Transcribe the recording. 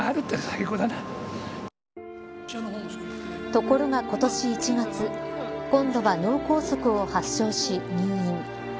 ところが今年１月今度は、脳梗塞を発症し入院。